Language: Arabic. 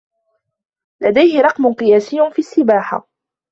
لديه رقم قياسي في السباحة.